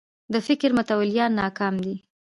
د فکر متولیان ناکام دي